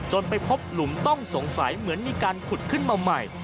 ไปพบหลุมต้องสงสัยเหมือนมีการขุดขึ้นมาใหม่